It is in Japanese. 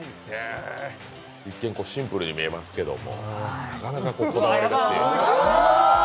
一見シンプルに見えますけども、なかなかこだわりがある。